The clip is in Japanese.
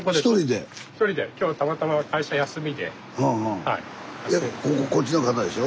でこここっちの方でしょ？